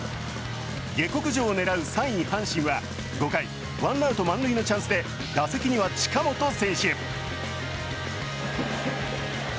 下克上を狙う３位・阪神は５回、ワンアウト満塁のチャンスで打席には近本選手。